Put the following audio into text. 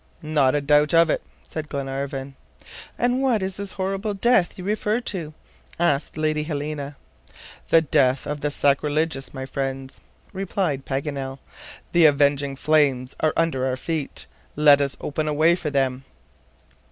"Not a doubt of it," said Glenarvan. "And what is the horrible death you refer to?" asked Lady Helena. "The death of the sacrilegious, my friends," replied Paganel. "The avenging flames are under our feet. Let us open a way for them!"